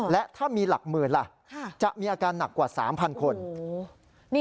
และถ้ามีหลักหมื่นล่ะจะมีอาการหนักกว่า๓๐๐คน